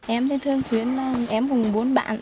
em thấy thương xuyên em cùng bốn bạn thương xuyên